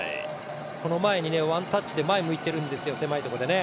この前に、ワンタッチで前を向いてるんですよね、狭いところでね。